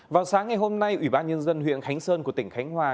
vào sáng ngày hôm nay ủy ban nhân dân huyện khánh sơn của tỉnh khánh hòa